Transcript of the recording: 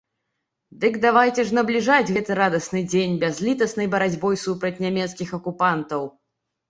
Дык давайце ж набліжаць гэты радасны дзень бязлітаснай барацьбой супраць нямецкіх акупантаў!